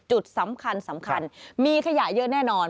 จุดสำคัญมีขยะเยอะแน่นอน